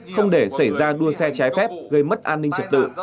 không để xảy ra đua xe trái phép gây mất an ninh trật tự